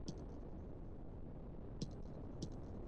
پولو باندي حمله وکړي.